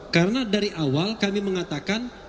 karena dari awal kami mengatakan